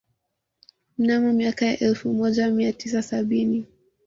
Mnamo miaka ya elfu moja mia tisa sabini